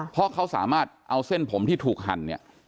เพราะเขาสามารถเอาเส้นผมที่ถูกหั่นเนี่ย